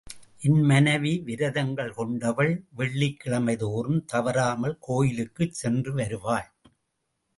என் மனைவி விரதங்கள் கொண்டவள் வெள்ளிக் கிழமை தோறும் தவறாமல் கோயிலுக்குச் சென்று வருவாள்.